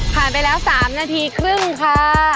ผ่านไปแล้ว๓นาทีครึ่งค่ะ